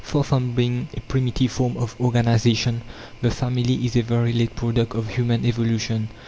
Far from being a primitive form of organization, the family is a very late product of human evolution.